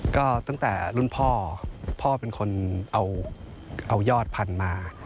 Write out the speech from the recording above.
ก็ตั้งแต่รุ่นพ่อพ่อเป็นคนเอายอดพันธุ์มา